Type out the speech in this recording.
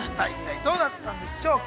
どうなったんでしょうか。